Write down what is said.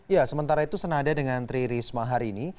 ya sementara itu senada dengan tri risma harini